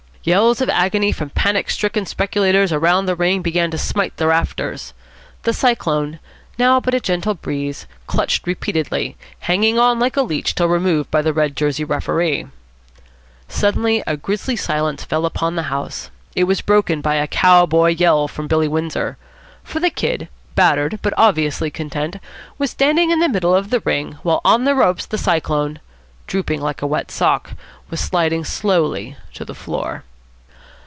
Yells of agony from panic stricken speculators around the ring began to smite the rafters. The Cyclone, now but a gentle breeze, clutched repeatedly, hanging on like a leech till removed by the red jerseyed referee. Suddenly a grisly silence fell upon the house. It was broken by a cow boy yell from Billy Windsor. For the Kid, battered, but obviously content, was standing in the middle of the ring, while on the ropes the Cyclone, drooping like a wet sock, was sliding slowly to the floor.